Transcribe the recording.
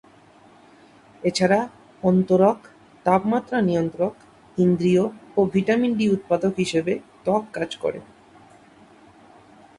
এছাড়া অন্তরক, তাপমাত্রা নিয়ন্ত্রক, ইন্দ্রিয় ও ভিটামিন ডি উৎপাদক হিসেবে ত্বক কাজ করে।